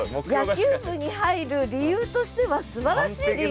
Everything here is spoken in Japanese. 野球部に入る理由としてはすばらしい理由だ。